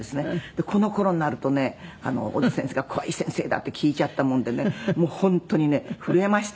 でこの頃になるとね小津先生が怖い先生だって聞いちゃったもんでねもう本当にね震えましたね。